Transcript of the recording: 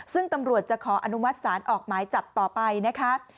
ซึ่งตำรวจจะขออนุมัติศาลออกหมายจับต่อไปนะคะ